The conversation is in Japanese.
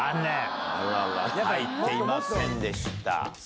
入ってませんでした。